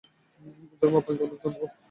জনাব, আপনাকে অনেক ধন্যবাদ।